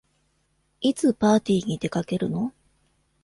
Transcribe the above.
いつパーティーに出かけるの？